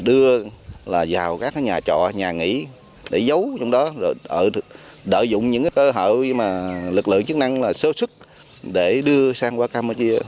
đưa vào các nhà trọ nhà nghỉ để giấu trong đó đợi dụng những cơ hội lực lượng chức năng sơ sức để đưa sang campuchia